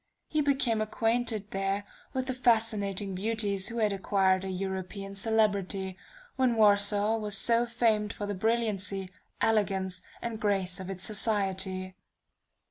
He became acquainted there with those fascinating beauties who had acquired a European celebrity, when Warsaw was so famed for the brilliancy, elegance, and grace of its society.